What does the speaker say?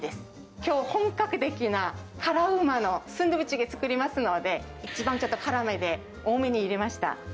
きょう、本格的な辛うまのスンドゥブチゲ作りますので、一番ちょっと辛めで、多めに入れました。